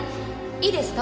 いいですか？